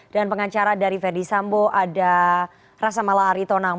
dan pengacara dari fendi sambo ada rasa malah aritonang